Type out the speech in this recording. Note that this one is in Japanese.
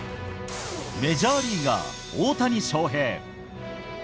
メジャーリーガー、大谷翔平。